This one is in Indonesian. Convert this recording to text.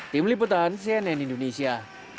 tim liputan cnn indonesia